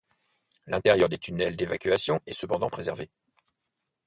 L’intérieur des tunnels d’évacuation est cependant préservé.